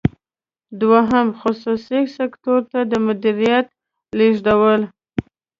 دوهم: خصوصي سکتور ته د مدیریت لیږدول.